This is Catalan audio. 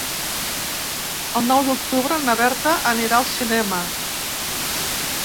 El nou d'octubre na Berta anirà al cinema.